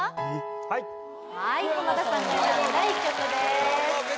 はいはい濱田さんが選んだ１曲です